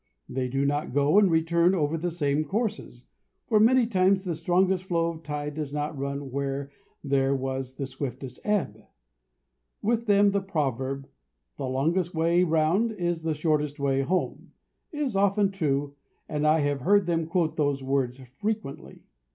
They do not go and return over the same courses, for many times the strongest flow of tide does not run where there was the swiftest ebb. With them the proverb, "The longest way round is the shortest way home," is often true, and I have heard them quote those words frequently.